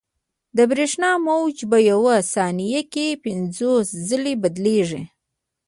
د برېښنا موج په یوه ثانیه کې پنځوس ځلې بدلېږي.